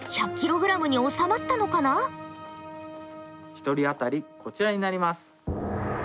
１人あたりこちらになります。